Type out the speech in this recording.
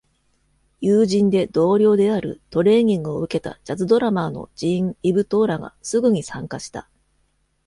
友人で同僚である、トレーニングを受けたジャズドラマーのジーン・イブ・トーラがすぐに参加した。